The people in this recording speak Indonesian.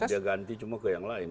dia ganti cuma ke yang lain